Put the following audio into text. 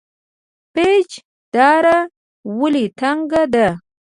پیج دره ولې تنګه ده؟